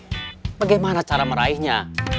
tapi bagaimana cara meraihnya